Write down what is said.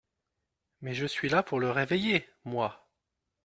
Mais je suis là pour le réveiller, moi !